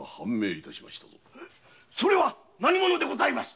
それは何者でございます